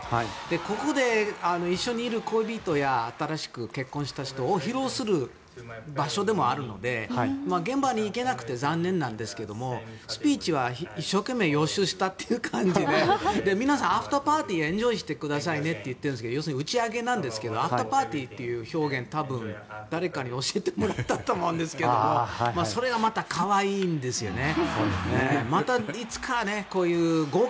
ここで一緒にいる恋人や新しく結婚した人を披露する場所でもあるので現場に行けなくて残念なんですがスピーチは一生懸命予習したという感じで皆さん、アフターパーティーをエンジョイしてくださいねって言ってるんですけど要するに打ち上げなんですけどアフターパーティーっていう表現誰かに教えてもらったと思うんですがそれがまた可愛いんですよね。